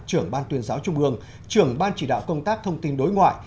trưởng ban tuyên giáo trung ương trưởng ban chỉ đạo công tác thông tin đối ngoại